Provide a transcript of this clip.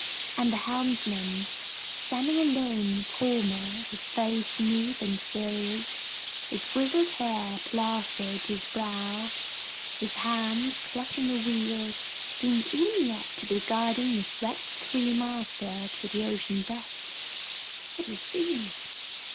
And the helmsman, standing alone, calmer, his face smooth and serious, his grizzled hair plastered to his brow, his hands clutching the wheel, seemed even yet to be guiding his wrecked three master through the ocean depths! What a scene!